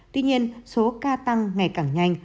tuy nhiên số ca tăng ngày càng nhanh